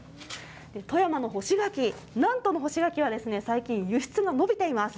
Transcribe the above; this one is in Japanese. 富山の干し柿、南砺の干し柿は、最近、輸出が伸びています。